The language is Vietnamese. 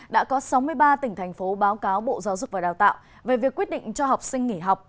đã có sáu mươi ba tỉnh thành phố báo cáo bộ giáo dục và đào tạo về việc quyết định cho học sinh nghỉ học